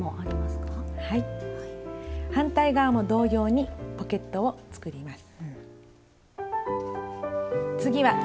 反対側も同様にポケットを作ります。